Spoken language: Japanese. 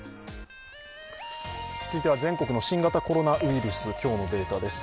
続いては全国の新型コロナウイルス、今日のデータです。